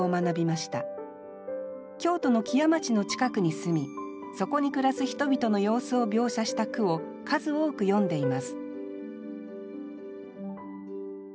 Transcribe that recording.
京都の木屋町の近くに住みそこに暮らす人々の様子を描写した句を数多く詠んでいます